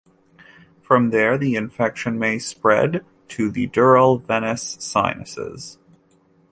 From there the infection may spread to the dural venous sinuses.